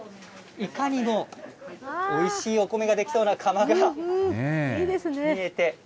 いかにも、おいしいお米が出来そうなかまどが見えて。